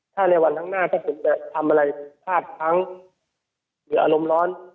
ถ้าในวันข้างหน้าถ้าผมจะทำอะไรพลาดพังหรืออารมณ์ร้อน